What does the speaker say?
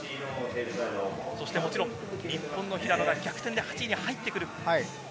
もちろん日本の平野が逆転で８位に入ってくる。